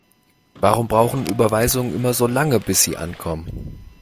Warum brauchen Überweisungen immer so lange, bis sie ankommen?